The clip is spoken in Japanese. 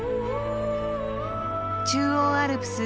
中央アルプス